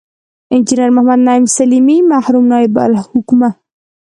انجنیر محمد نعیم سلیمي، مرحوم نایب الحکومه